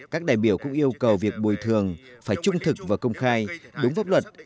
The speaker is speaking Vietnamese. các đại biểu cũng yêu cầu việc bồi thường phải trung thực và công khai đúng pháp luật